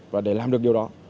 và để làm được điều đó